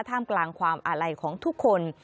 ท่ามกลางความอาลัยของทุกคน